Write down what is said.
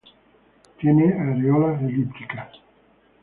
Tiene areolas elípticas.